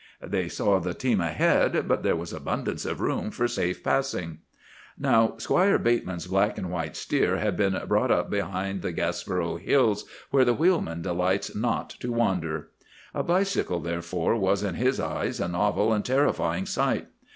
They saw the team ahead, but there was abundance of room for safe passing. "Now, Squire Bateman's black and white steer had been brought up behind the Gaspereau hills, where the wheelman delights not to wander. A bicycle, therefore, was in his eyes a novel and terrifying sight.